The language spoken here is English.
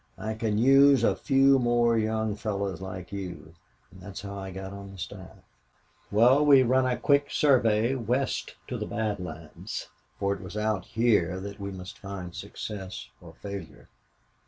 "'I can use a few more young fellows like you.' And that's how I got on the staff. "Well, we ran a quick survey west to the Bad Lands for it was out here that we must find success or failure.